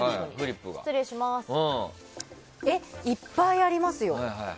いっぱいありますよ。